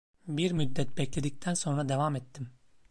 Bir müddet bekledikten sonra devam ettim.